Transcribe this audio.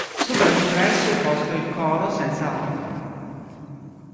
Sopra l'ingresso è posto il coro senza organo.